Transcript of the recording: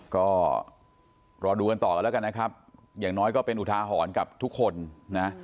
ก็รอดูกันต่อกันแล้วกันนะครับอย่างน้อยก็เป็นอุทาหรณ์กับทุกคนนะ